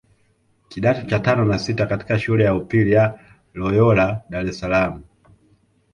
kidato cha tano na sita katika shule ya upili ya Loyola Dar es Salaam